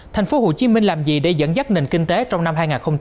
thành phố hồ chí minh làm gì để dẫn dắt nền kinh tế trong năm hai nghìn hai mươi hai